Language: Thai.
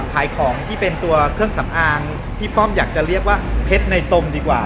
ขายของที่เป็นตัวเครื่องสำอางพี่ป้อมอยากจะเรียกว่าเพชรในตรงดีกว่า